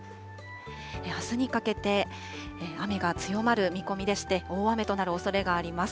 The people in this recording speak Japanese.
あすにかけて、雨が強まる見込みでして、大雨となるおそれがあります。